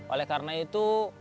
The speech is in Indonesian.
oleh karena itu